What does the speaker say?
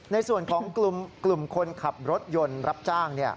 ในส่วนของกลุ่มคนขับรถยนต์รับจ้าง